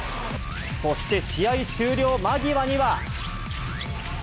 そして試合終了間際には。